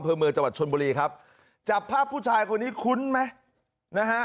เมืองจังหวัดชนบุรีครับจับภาพผู้ชายคนนี้คุ้นไหมนะฮะ